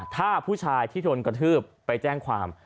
ถ้าผู้ชายที่โดนกระทืบไปแจ้งความ